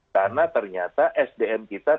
karena ternyata sdm kita tidak disiapkan